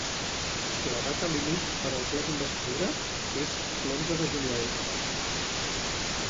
La data límit per al ple d’investidura és l’onze de juliol.